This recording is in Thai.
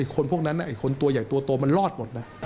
คนพวกนั้นคนตัวใหญ่ตัวโตมันรอดหมดนะ